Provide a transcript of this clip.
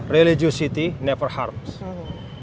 religiositas tidak pernah berbahaya